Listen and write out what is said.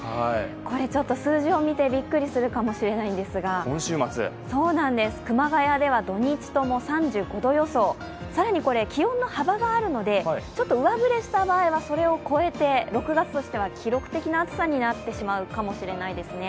これ、数字を見てびっくりするかもしれないんですが、熊谷では土日とも３５度予想、更に気温の幅があるので、上ぶれした場合はそれを超えて６月としては記録的な暑さになってしまうかもしれないですね。